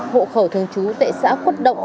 hộ khẩu thường trú tại xã khuất động